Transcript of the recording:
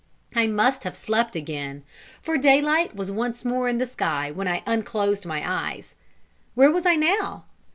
I must have slept again, for daylight was once more in the sky when I unclosed my eyes. Where was I now?